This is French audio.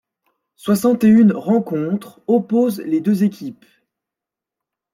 Soixante-et-une rencontres opposent les deux équipes.